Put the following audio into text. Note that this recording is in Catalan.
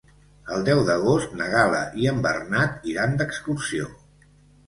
El deu d'agost na Gal·la i en Bernat iran d'excursió.